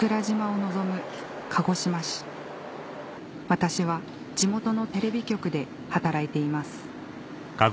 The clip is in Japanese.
私は地元のテレビ局で働いています